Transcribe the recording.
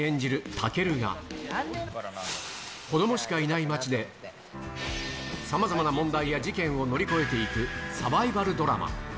タケルが、子どもしかいない街で、さまざまな問題や事件を乗り越えていくサバイバルドラマ。